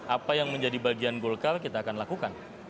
apa yang menjadi bagian golkar kita akan lakukan